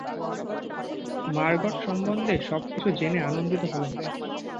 Margot সম্বন্ধে সব কিছু জেনে আনন্দিত হলাম।